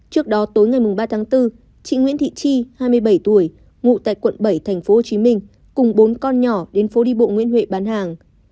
trước đó tối ngày ba tháng bốn chị nguyễn thị chi hai mươi bảy tuổi ngụ tại quận bảy tp hcm cùng bốn con nhỏ đến phố đi bộ nguyễn huệ bán hàng